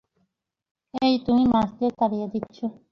হেই, তুমি মাছদের তাড়িয়ে দিচ্ছো।